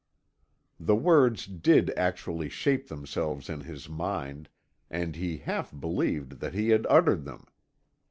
The words did actually shape themselves in his mind, and he half believed that he had uttered them.